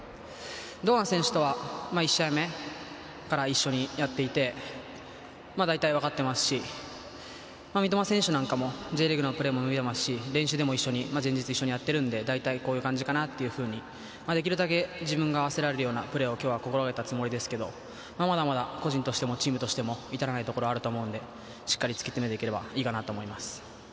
堂安選手とは１試合目から一緒にやっていて、まあ、大体分かってますし、三笘選手なんかはＪリーグのプレーも見ていますし練習でも一緒に前日やってるので、こういう感じかなというふうにできるだけ自分が合わせられるようなプレーを今日は心がけたつもりですけど、個人としてもチームとしても満たないところがあると思うので、突き詰めていければいいかなと思います。